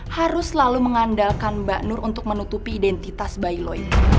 harus selalu mengandalkan mbak nur untuk menutupi identitas bayiloi